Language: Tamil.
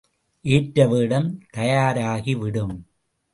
ஏற்ற வேடம் தயாராகிவிடும்.